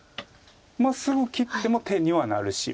すぐ切っても手にはなるし。